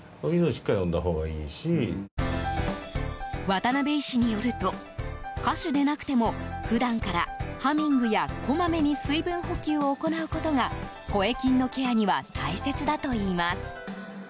渡邊医師によると歌手でなくても普段からハミングやこまめに水分補給を行うことが声筋のケアには大切だといいます。